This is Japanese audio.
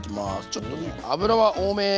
ちょっとね油は多め。